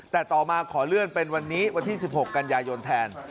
แต่ต่อมาขอเลื่อนเป็นวันนี้วันที่๑๖กันยายนแทน